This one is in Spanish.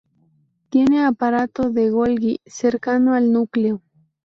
Tiene aparato de Golgi, cercano al núcleo.